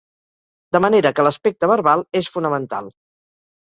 De manera que l'aspecte verbal és fonamental.